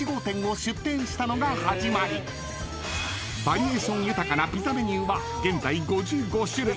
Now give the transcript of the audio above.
［バリエーション豊かなピザメニューは現在５５種類］